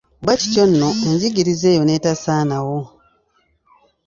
Bwekityo nno enjigiriza eyo n’etasaanawo.